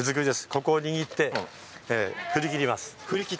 ここを握って振りきります。